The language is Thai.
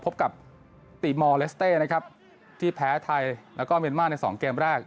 พบกับติมอลเลสเต้นะครับที่แพ้ไทยแล้วก็เมียนมาร์ในสองเกมแรก